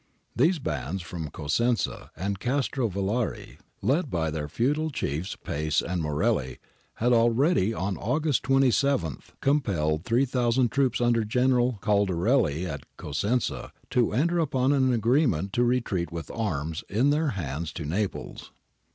These bands from Cosenza and Castrovillari, led by their feudal chiefs. Pace and Morelli, had already on August 27 compelled 3000 troops under General Caldarelli at Cosenza to enter upon an agreement to retreat with arms in their hands to Naples.